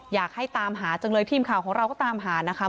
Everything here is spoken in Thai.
อยากให้ตามหาจังเลยทีมข่าวของเราก็ตามหานะคะ